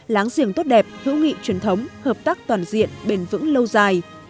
láng giềng tốt đẹp hữu nghị truyền thống hợp tác toàn diện bền vững lâu dài